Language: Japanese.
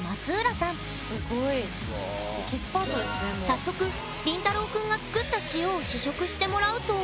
早速りんたろうくんが作った塩を試食してもらうと。